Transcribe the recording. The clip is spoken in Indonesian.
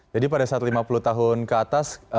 jadi pada saat lima puluh tahun ke atas